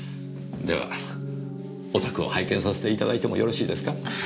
ではお宅を拝見させていただいてもよろしいですか？